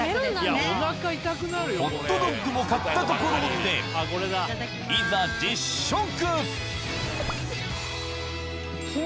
ホットドッグも買ったところでいただきます！